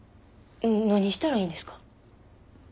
何したらいいんですか？